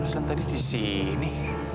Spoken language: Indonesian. ngerenjah kamu lah ya cinta